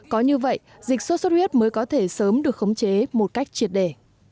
có như vậy dịch xuất huyết mới có thể sớm được khống chế một cách triệt để